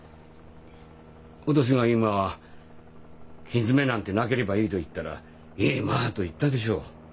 私が今「けじめなんてなければいい」と言ったら「ええまあ」と言ったでしょう？